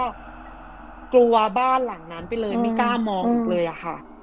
ครับกโลวาบ้านหลังนั้นไปเลยไม่เก้ามองอีกเลยอ่ะค่ะ